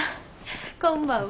こんばんは。